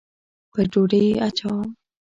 پر ډوډۍ یې اچوم